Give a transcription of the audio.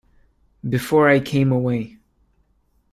Before I came away.